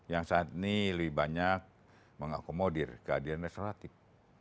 yang saat ini lebih banyak mengakomodir keadilan restoratif